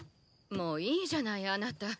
もういいじゃないあなた。